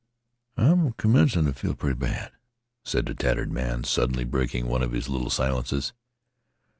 "I'm commencin' t' feel pretty bad," said the tattered man, suddenly breaking one of his little silences.